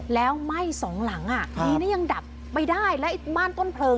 แล้วไหม้สองหลังนี่ยังดับไปได้แล้วบ้านต้นเพลิง